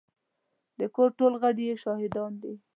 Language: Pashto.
د کور ټول غړي يې شاهدان دي.